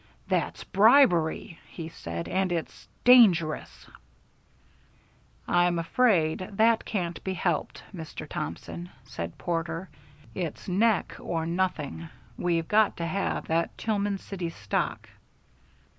"That's bribery," he said, "and it's dangerous." "I'm afraid that can't be helped, Mr. Thompson," said Porter. "It's neck or nothing. We've got to have that Tillman City stock."